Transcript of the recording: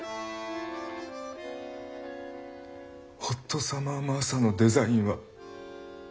「ホットサマー・マーサ」のデザインはッ！